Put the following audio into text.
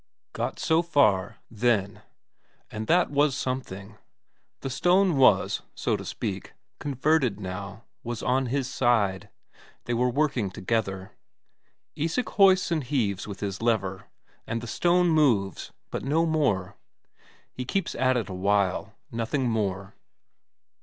Got so far, then and that was something. The stone was, so to speak, converted now, was on his side; they were working together. Isak hoists and heaves with his lever, and the stone moves, but no more. He keeps at it a while, nothing more.